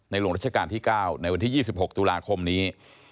หลวงรัชกาลที่๙ในวันที่๒๖ตุลาคมนี้